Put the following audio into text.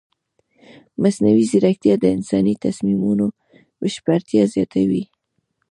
مصنوعي ځیرکتیا د انساني تصمیمونو بشپړتیا زیاتوي.